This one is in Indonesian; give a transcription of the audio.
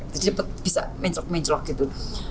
jadi bisa mencelak mencelak gitu